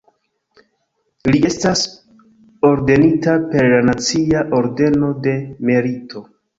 Li estas ordenita per la Nacia ordeno de Merito.